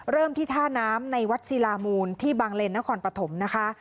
ที่ท่าน้ำในวัดศิลามูลที่บางเลนนครปฐมนะคะ